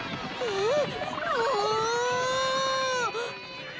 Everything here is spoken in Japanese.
えっ！？